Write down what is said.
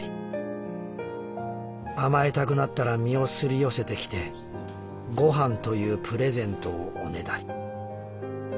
甘えたくなったら身を擦り寄せてきてごはんというプレゼントをおねだり。